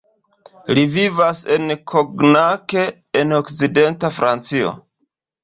Li vivas en Cognac en okcidenta Francio.